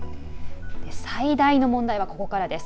最大の問題はここからです。